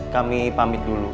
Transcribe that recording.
dan mengajarkan dodot dengan baik